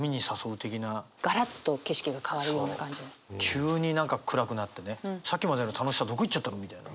急に何か暗くなってねさっきまでの楽しさどこ行っちゃったのみたいな。